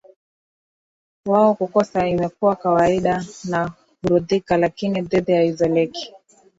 Wao kukosa imekuwa kawaida na huridhika lakini dhiki haizoeleki